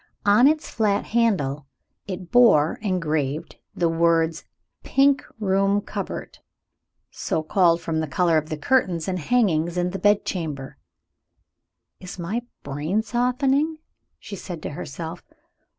On its flat handle it bore engraved the words, "Pink Room Cupboard" so called from the color of the curtains and hangings in the bedchamber. "Is my brain softening?" she said to herself.